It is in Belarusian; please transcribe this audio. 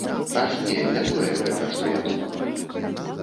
Аж не, не тое гэта, што я думала.